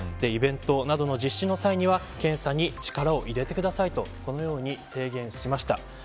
イベントなどの実施の際には検査に力を入れてくださいと提言しました。